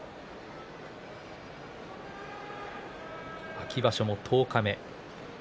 秋場所も十日目。